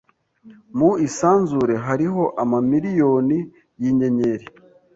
Mu isanzure hariho amamiriyoni yinyenyeri.